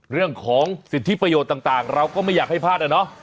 เรื่องของสิทธิประโยชน์ต่างเราก็ไม่อยากให้พลาดอะเนาะ